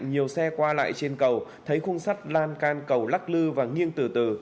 nhiều xe qua lại trên cầu thấy khung sắt lan can cầu lắc lư và nghiêng từ từ